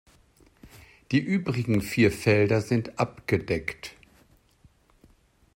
Die übrigen vier Felder sind abgedeckt.